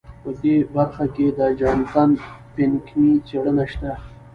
په دې برخه کې د جاناتان پینکني څېړنه شته.